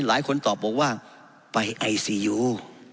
หลายคนตอบบอกว่าไปไอซียู